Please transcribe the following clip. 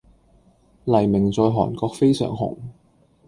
黎明在韓國非常紅